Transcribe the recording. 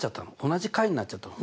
同じ解になっちゃったの。